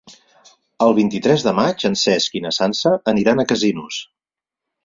El vint-i-tres de maig en Cesc i na Sança aniran a Casinos.